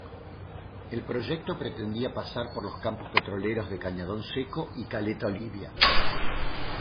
El proyecto pretendía pasar por los campos petroleros de Cañadón Seco y Caleta Olivia.